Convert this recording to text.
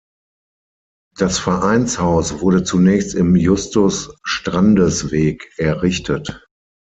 Das Vereinshaus wurde zunächst im Justus-Strandes-Weg errichtet.